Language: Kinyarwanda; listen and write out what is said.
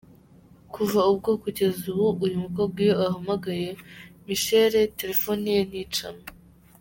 Kuva ubwo kugeza ubu uyu mukobwa iyo ahamagaye Michel telefoni ye nticamo.